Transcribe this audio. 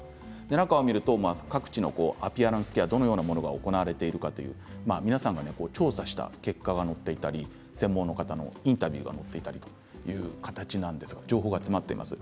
中を見ると各地のアピアランスケアどのようなものが行われているのか皆さんが調査した結果が載っていたり専門の方のインタビューが載っていたり情報が集まっています。